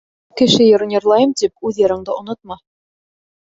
Кеше йырын йырлайым тип, үҙ йырыңды онотма.